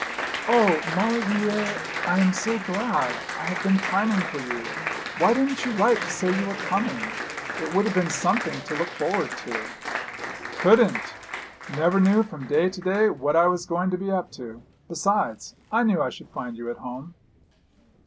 'O, Maulevrier, I am so glad! I have been pining for you. Why didn't you write to say you were coming? It would have been something to look forward to.' 'Couldn't. Never knew from day to day what I was going to be up to; besides, I knew I should find you at home.'